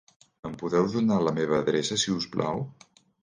Em podeu donar la meva adreça, si us plau?